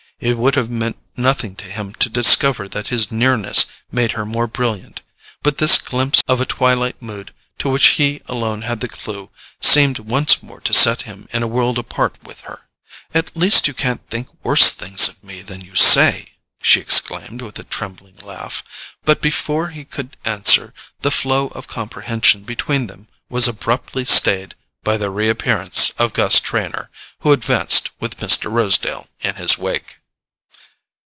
It would have meant nothing to him to discover that his nearness made her more brilliant, but this glimpse of a twilight mood to which he alone had the clue seemed once more to set him in a world apart with her. "At least you can't think worse things of me than you say!" she exclaimed with a trembling laugh; but before he could answer, the flow of comprehension between them was abruptly stayed by the reappearance of Gus Trenor, who advanced with Mr. Rosedale in his wake.